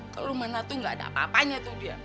tante rumana tuh gak ada apa apanya tuh dia